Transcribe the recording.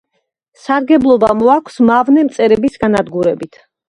სარგებლობა მოაქვთ მავნე მწერების განადგურებით.